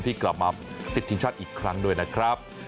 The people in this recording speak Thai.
ที่กลับมาติดทีมชาติอีกครั้งด้วยนะครับ